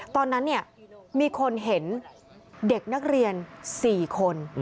ตอนนั้นมีคนเห็นเด็กนักเรียน๔คน